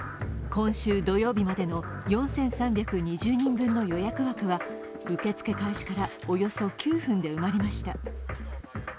今週土曜日までの４３２０人分の予約枠は受け付け開始からおよそ９分で埋まりました。